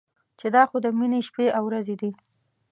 چې دا خو د مني شپې او ورځې دي.